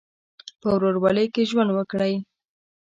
په ورورولۍ کې ژوند وکړئ.